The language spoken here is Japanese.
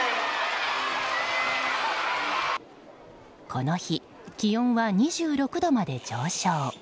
この日、気温は２６度まで上昇。